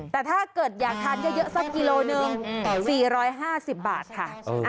แต่ถ้าเกิดอยากทานเยอะสักกิโลหนึ่ง๔๕๐บาทค่ะ